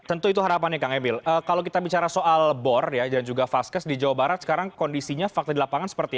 tentu itu harapannya kang emil kalau kita bicara soal bor dan juga vaskes di jawa barat sekarang kondisinya fakta di lapangan seperti apa